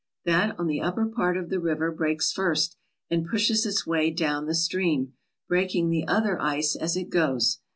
That on the upper part of the river breaks first and pushes its way down the stream, breaking the other ice as it goes.